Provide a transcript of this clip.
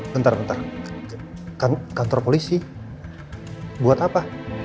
bentar bentar kan kantor polisi buat apa